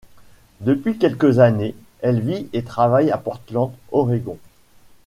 Depuis quelques années elle vit et travaille à Portland, Oregon.